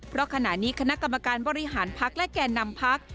เพราะขณะนี้คณะกรรมการบริหารพักและแก่นำพัก